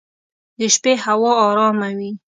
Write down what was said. د شپې هوا ارامه وي.